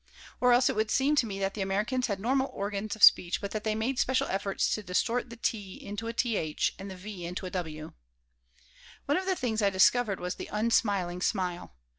Or else it would seem to me that the Americans had normal organs of speech, but that they made special efforts to distort the "t" into a "th" and the "v" into a "w." One of the things I discovered was the unsmiling smile.